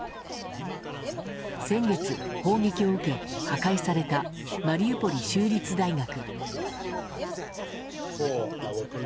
先月、砲撃を受け破壊されたマリウポリ州立大学。